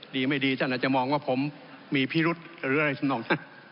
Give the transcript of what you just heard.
ดีไม่ดีท่านอาจจะมองว่าผมมีพิรุษหรืออะไรสนองสั้น